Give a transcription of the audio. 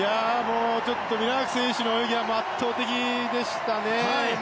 ちょっとミラーク選手の泳ぎは圧倒的でしたね。